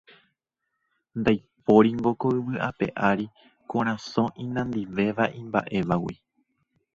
Ndaipóringo ko yvy ape ári korasõ inandivéva imba'évagui